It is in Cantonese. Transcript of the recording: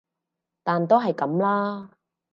但都係噉啦